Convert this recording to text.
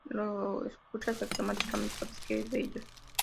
Lo escuchas y automáticamente sabes que es de ellos.